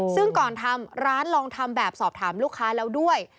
ซึ่งก่อนทำร้านลองทำแบบสอบถามลูกค้าแล้วด้วย